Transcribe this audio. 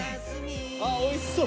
あっおいしそう。